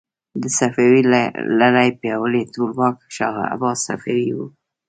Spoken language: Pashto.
د صفوي لړۍ پیاوړی ټولواک شاه عباس صفوي و.